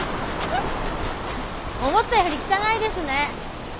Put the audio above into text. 思ったより汚いですね。